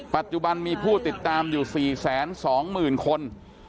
ปัจจุบันมีผู้ติดตามอยู่๔๒๐๐๐คน